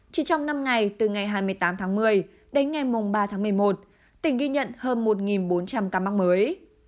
chỉ trong năm ngày từ ngày hai mươi tám tháng một mươi đến ngày ba tháng một mươi một tỉnh ghi nhận hơn một bốn trăm linh ca mắc mới